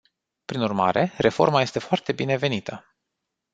Prin urmare, reforma este foarte binevenită.